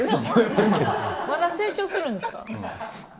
まだ成長するんですか。